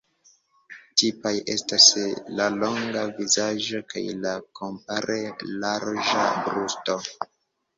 Tipaj estas la longa vizaĝo kaj la kompare larĝa brusto.